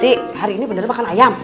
tik hari ini beneran makan ayam